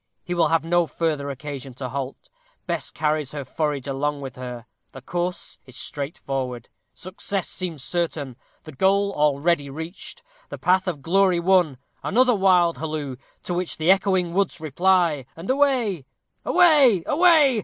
He will have no further occasion to halt. Bess carries her forage along with her. The course is straightforward success seems certain the goal already reached the path of glory won. Another wild halloo, to which the echoing woods reply, and away! Away! away!